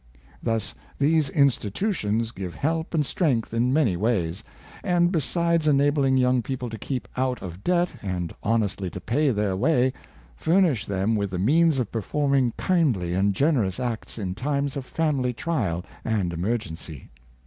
Thus these institutions give help and strength in many ways, and, besides enabling young people to keep out of debt and honestly to pay their way, furnish them with the means of performing kindly and generous acts in times of family trial and emergency.